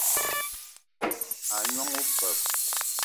A gnong opeup